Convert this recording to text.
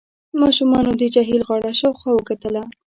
ماشومانو د جهيل غاړه شاوخوا وکتله.